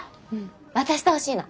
渡してほしいの。